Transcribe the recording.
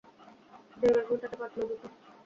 দেউড়ির ঘণ্টাতে বাজল দুটো।